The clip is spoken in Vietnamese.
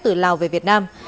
từ lào về việt nam